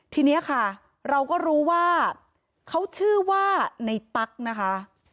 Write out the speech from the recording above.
ทีนี้ค่ะเราก็รู้ว่าเขาชื่อว่าในตั๊กนะคะ